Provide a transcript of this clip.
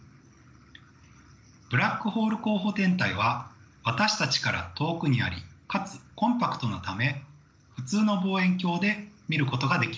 ブラックホール候補天体は私たちから遠くにありかつコンパクトなため普通の望遠鏡で見ることができません。